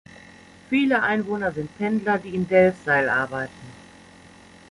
Viele Einwohner sind Pendler, die in Delfzijl arbeiten.